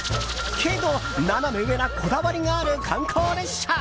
けどナナメ上なこだわりがある観光列車。